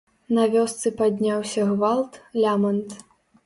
На вёсцы падняўся гвалт, лямант.